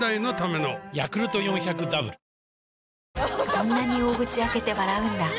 そんなに大口開けて笑うんだ。